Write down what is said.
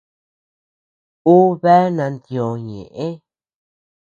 Ú bea nantiö ñeʼë.